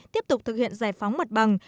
tiếp tục thực hiện giải phóng mặt bằng